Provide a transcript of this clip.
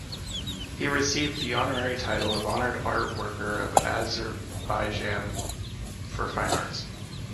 He received the honorary title of Honored Art Worker of Azerbaijan for fine arts.